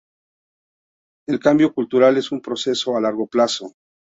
El cambio cultural es un proceso a largo plazo.